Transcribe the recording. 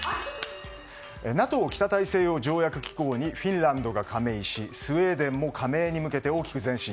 ＮＡＴＯ・北大西洋条約機構にフィンランドが加盟しスウェーデンも加盟に向けて大きく前進。